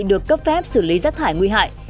được cấp phép xử lý rác thải nguy hại